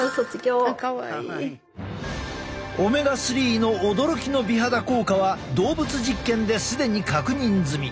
オメガ３の驚きの美肌効果は動物実験で既に確認済み。